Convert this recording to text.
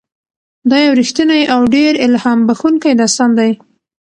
دا یو رښتینی او ډېر الهام بښونکی داستان دی.